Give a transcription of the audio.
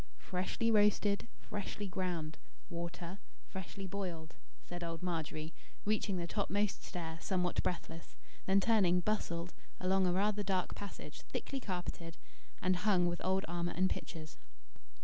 "Freshly roasted freshly ground water freshly boiled " said old Margery, reaching the topmost stair somewhat breathless; then turning, bustled along a rather dark passage, thickly carpeted, and hung with old armour and pictures.